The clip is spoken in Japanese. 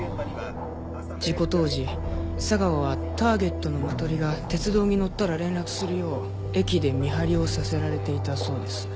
事故当時佐川はターゲットのマトリが鉄道に乗ったら連絡するよう駅で見張りをさせられていたそうです。